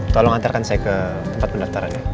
tolong antarkan saya ke tempat pendaftarannya